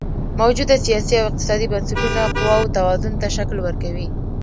موجوده سیاسي او اقتصادي بنسټونه قواوو توازن ته شکل ورکوي.